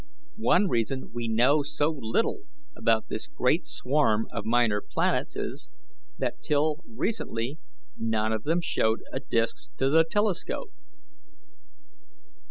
One reason we know so little about this great swarm of minor planets is, that till recently none of them showed a disk to the telescope.